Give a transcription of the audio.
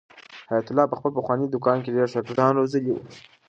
حیات الله په خپل پخواني دوکان کې ډېر شاګردان روزلي وو.